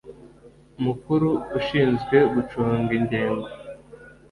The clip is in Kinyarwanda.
mukuru ushinzwe gucunga ingengo